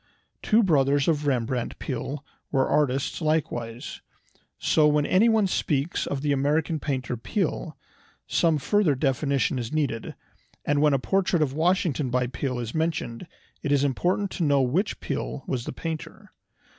Two brothers of Rembrandt Peale were artists likewise. So when anyone speaks of the "American painter Peale" some further definition is needed, and when a portrait of Washington by Peale is mentioned it is important to know which Peale was the painter.